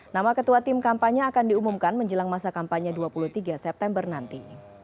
nama ketua tim kampanye akan diumumkan menjelang masa kampanye dua puluh tiga september nanti